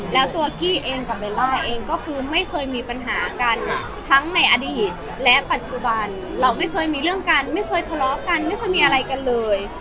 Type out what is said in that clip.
แล้วตัวกี้เองกับเบลล่าเองก็คือไม่เคยมีปัญหากันทั้งในอดีตและปัจจุบันเราไม่เคยมีเรื่องกันไม่เคยทะเลาะกันไม่เคยมีอะไรกันเลย